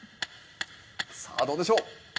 さあどうでしょう？